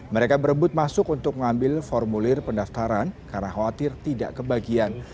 mereka berebut masuk untuk mengambil formulir pendaftaran karena khawatir tidak kebagian